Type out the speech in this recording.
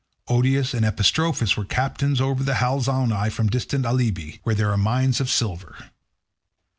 Odius and Epistrophus were captains over the Halizoni from distant Alybe, where there are mines of silver.